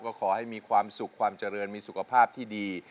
ก็ขอให้มีความสุขความเจริญมีสุขภาพที่ดี